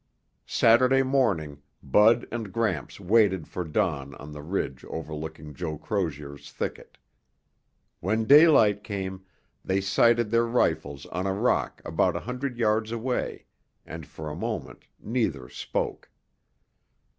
Saturday morning, Bud and Gramps waited for dawn on the ridge overlooking Joe Crozier's thicket. When daylight came, they sighted their rifles on a rock about a hundred yards away, and for a moment neither spoke.